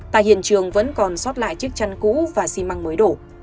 tại hiện trường vẫn còn sót lại chiếc chăn cũ và xi măng mới đổ